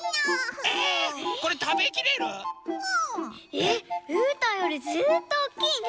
えっうーたんよりずっとおっきいね！